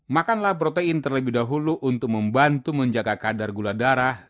makanlah protein terlebih dahulu untuk membantu menjaga kadar gula darah